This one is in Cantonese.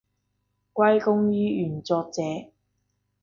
歸功於原作者